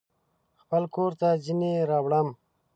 خپل کورته ځینې راوړم